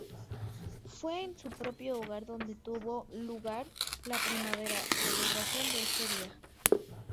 Fue en su propio hogar donde tuvo lugar la primera celebración de este día.